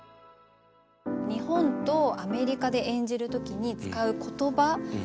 日本とアメリカで演じる時に使う言葉。